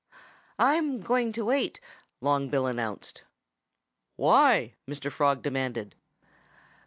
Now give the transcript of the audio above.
"I'm going to wait " Long Bill announced. "Why?" Mr. Frog demanded.